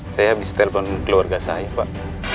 saya habis telepon keluarga saya pak